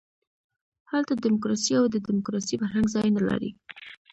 هلته ډیموکراسي او د ډیموکراسۍ فرهنګ ځای نه لري.